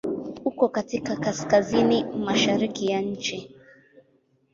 Uko katika Kaskazini mashariki ya nchi.